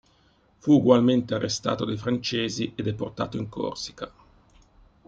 Fu ugualmente arrestato dai francesi e deportato in Corsica.